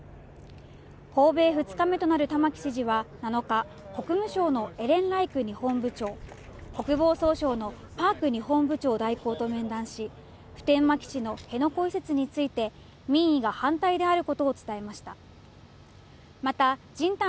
訪米２日目となる玉城知事は７日、国務省のエレンライク日本部長国防総省のパーク日本本部長代行と面談し、普天間基地の辺野古移設について民意が反対であることを伝えました。